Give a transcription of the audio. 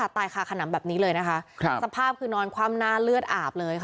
ตายคาขนำแบบนี้เลยนะคะสภาพคือนอนคว่ำหน้าเลือดอาบเลยค่ะ